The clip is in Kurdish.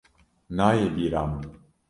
Nayê bîra min!